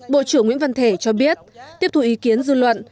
bộ trưởng nguyễn văn thể cho biết tiếp tục ý kiến dư luận